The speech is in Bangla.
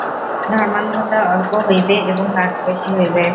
ধর্মান্ধতা অল্প হইবে এবং কাজ বেশী হইবে।